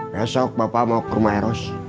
besok bapak mau ke rumah eros